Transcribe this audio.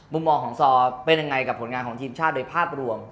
มุมมองของซอเป็นยังไงกับผลงานของทีมชาติโดยภาพรวม